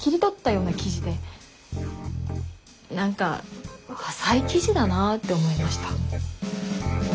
何か浅い記事だなって思いました。